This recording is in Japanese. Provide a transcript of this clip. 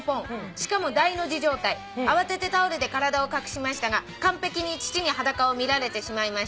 しかも大の字状態」「慌ててタオルで体を隠しましたが完璧に父に裸を見られてしまいました」